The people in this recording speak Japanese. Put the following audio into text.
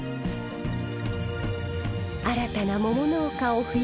新たな桃農家を増やしたい。